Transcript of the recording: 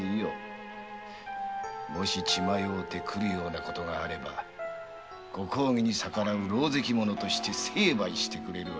もし血迷うて来たら御公儀に逆らうろうぜき者として成敗してくれるわ。